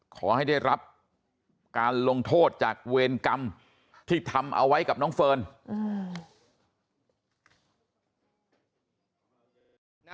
ขอให้ได้รับการลงโทษจากเวรกรรมที่ทำเอาไว้กับน้องเฟิร์นอืม